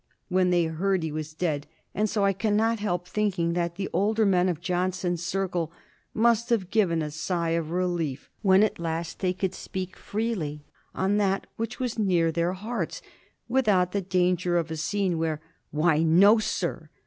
when they heard he was dead, and so I cannot help thinking that the older men of Johnson's circle must have given a sigh of relief when at last they could speak freely on that which was near their hearts, without the danger of a scene where "Why, no, sir!"